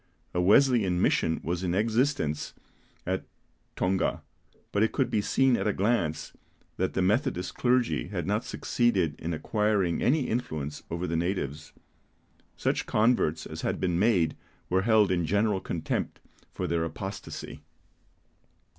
A Wesleyan mission was in existence at Tonga; but it could be seen at a glance that the Methodist clergy had not succeeded in acquiring any influence over the natives. Such converts as had been made were held in general contempt for their apostasy.